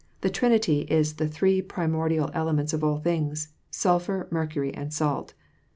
The Trinity is the three primoidial elements of all thin^ — sulphur, mercury, and salt.